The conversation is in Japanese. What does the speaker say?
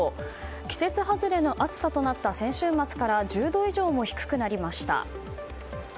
季節外れの暑さとなった先週末から１０度以上も低くなりました。